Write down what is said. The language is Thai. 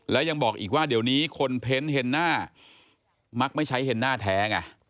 และยังบอกอีกว่าเดี๋ยวนี้คนเพ้นเห็นหน้ามักไม่ใช้เฮนน่าแท้ไง